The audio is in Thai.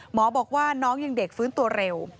หมอบอกว่าน้องยังเด็กฟื้นตัวเร็ว